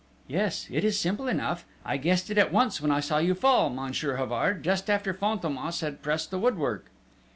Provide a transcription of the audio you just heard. "Yes, it is simple enough; I guessed it at once when I saw you fall, Monsieur Havard, just after Fantômas had pressed the woodwork."